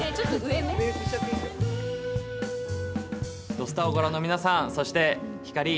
「土スタ」をご覧の皆さんそして、ひかり。